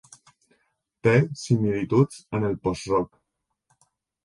Té similituds amb el post-rock.